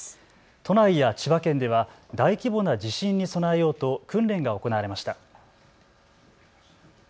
都内や千葉県では大規模な地震に備えようと訓練が行われました。